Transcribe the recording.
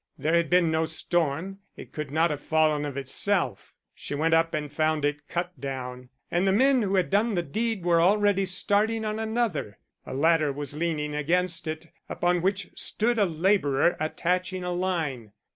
There had been no storm, it could not have fallen of itself. She went up, and found it cut down, and the men who had done the deed were already starting on another: a ladder was leaning against it, upon which stood a labourer attaching a line.